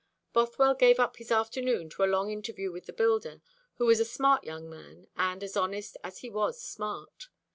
Bothwell gave up his afternoon to a long interview with the builder, who was a smart young man, and as honest as he was smart.